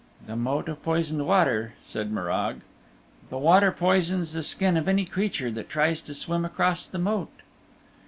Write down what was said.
"The Moat of Poisoned Water," said Morag. "The water poisons the skin of any creature that tries to swim across the Moat."